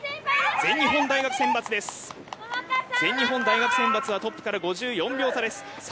全日本大学選抜はトップから５４秒差です。